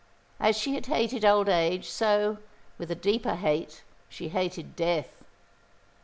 As she had hated old age, so, with a deeper hate, she hated death.